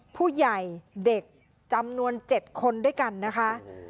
ผู้ใหญ่เด็กจำนวน๗คนด้วยกันนะคะ